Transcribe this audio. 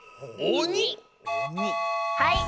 はい。